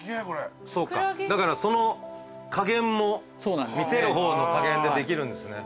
そうかだからその加減も見せる方の加減でできるんですね。